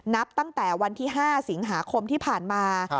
นับตั้งแต่วันที่๕สิงหาคมที่ผ่านมา